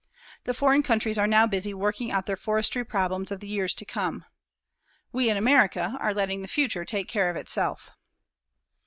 The foreign countries are now busy working out their forestry problems of the years to come. We in America are letting the future take care of itself.